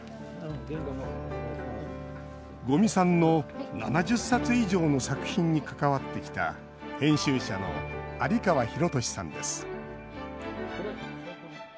五味さんの７０冊以上の作品に関わってきた編集者の有川裕俊さんです